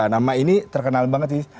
nama ini terkenal banget sih